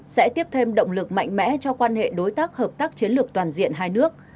sẽ tiếp thêm động lực mạnh mẽ cho quan hệ đối tác hợp tác chiến lược toàn diện hai nước